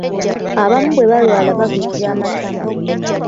Abamu bwe balwala bagejja amatama.